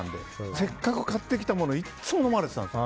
せっかく買ってきたものいつも飲まれてたんですよ。